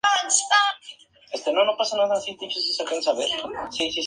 Presidente de la Asamblea de la colectividad en Chuquicamata.